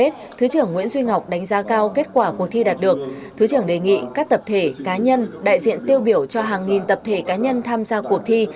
thứ trưởng nguyễn duy ngọc đánh giá cao kết quả cuộc thi đạt được thứ trưởng đề nghị các tập thể cá nhân đại diện tiêu biểu cho hàng nghìn tập thể cá nhân tham gia cuộc thi